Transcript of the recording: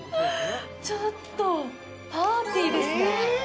ちょっと、パーティーですね！